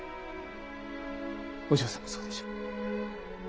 お嬢さんもそうでしょう？